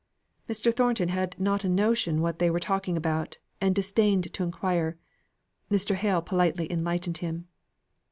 Mr. Thornton had not a notion what they were talking about, and disdained to inquire. Mr. Hale politely enlightened him.